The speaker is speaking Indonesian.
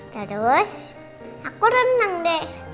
terus aku renang deh